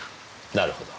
なるほど。